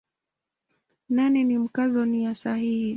Nane ni Mkazo nia sahihi.